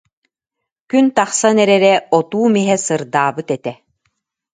Күн тахсан эрэрэ, отуум иһэ сырдаабыт этэ